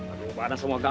aduh mana semua gatal